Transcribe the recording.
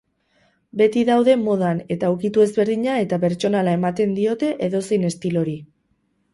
Beti daude modan eta ukitu ezberdina eta pertsonala ematen diote edozein estilori.